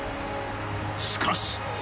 しかし。